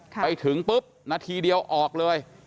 ไปถึงปุ๊บนาทีเดียวออกเลย